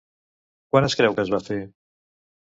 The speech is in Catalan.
Quan es creu que es va fer?